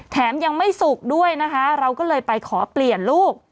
แถมยังไม่สุกด้วยนะคะเราก็เลยไปขอเปลี่ยนลูก